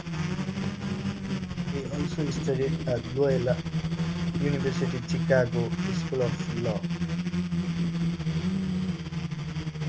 He also studied at Loyola University Chicago School of Law.